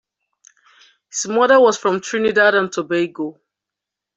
His mother was from Trinidad and Tobago.